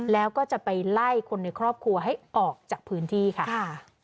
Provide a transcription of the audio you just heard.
แล้วก็จะไปไล่คนในครอบครัวให้ออกจากพื้นที่ค่ะ